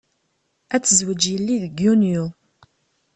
Ad tezweǧ yelli deg Yunyu.